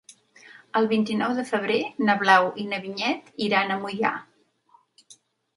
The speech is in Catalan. El vint-i-nou de febrer na Blau i na Vinyet iran a Moià.